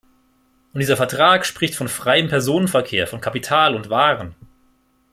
Und dieser Vertrag spricht vom freien Personenverkehr, von Kapital und Waren.